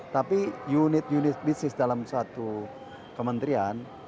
tapi unit unit bisnis dalam suatu kementerian